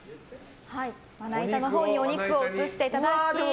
まな板のほうにお肉を移していただき。